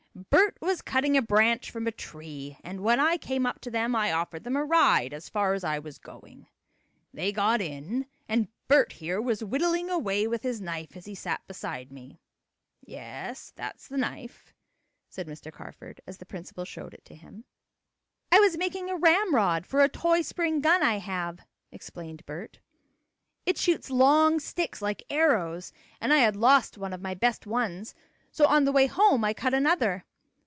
"Bert was cutting a branch from a tree, and when I came up to them I offered them a ride as far as I was going. They got in, and Bert here was whittling away with his knife as he sat beside me. Yes, that's the knife," said Mr. Carford, as the principal showed it to him. "I was making a ramrod for a toy spring gun I have," explained Bert. "It shoots long sticks, like arrows, and I had lost one of my best ones, so on the way home I cut another.